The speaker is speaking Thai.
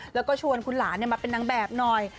แล้วก็ชวนคุณหลานมาเป็นนางแบบหน่อย